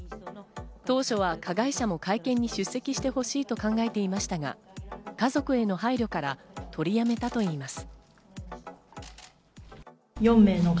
当初は加害者も会見に出席してほしいと考えていましたが家族への配慮から取りやめたといいます。